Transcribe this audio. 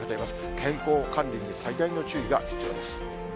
健康管理に最大の注意が必要です。